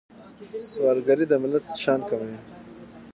سوالګري د ملت شان کموي